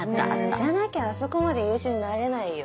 じゃなきゃあそこまで優秀になれないよ。